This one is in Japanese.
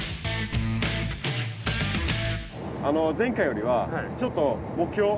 前回よりはちょっと目標。